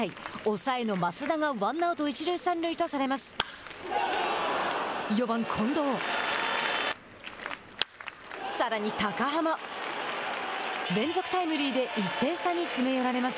抑えの益田がワンアウト、一塁三塁とされます。